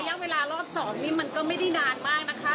ระยะเวลารอบ๒นี่มันก็ไม่ได้นานมากนะคะ